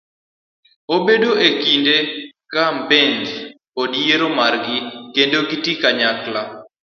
Obedo ekinde kampens kod yiero margi kendo gitii kanyakla.